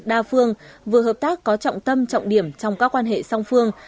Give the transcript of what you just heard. đa phương vừa hợp tác có trọng tâm trọng điểm trong các quan hệ song phương